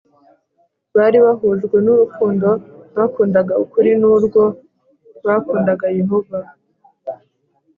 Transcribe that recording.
bari bahujwe n urukundo bakundaga ukuri n urwo bakundaga Yehova